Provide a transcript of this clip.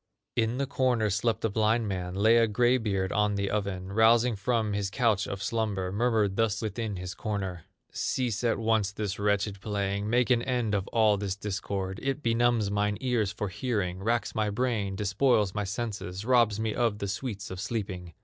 In a corner slept a blind man, Lay a gray beard on the oven, Rousing from his couch of slumber, Murmured thus within his corner: "Cease at once this wretched playing, Make an end of all this discord; It benumbs mine ears for hearing, Racks my brain, despoils my senses, Robs me of the sweets of sleeping.